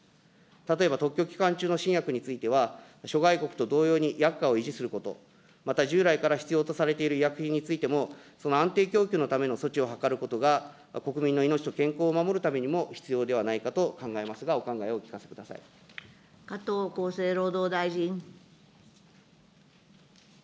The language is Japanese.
例えば特許期間中の新薬については、諸外国と同様に薬価を維持すること、また従来から必要とされている医薬品についても、その安定供給のための措置を図ることが、国民の命と健康を守るためにも必要ではないかと考えますが、お考加藤厚生労働大臣。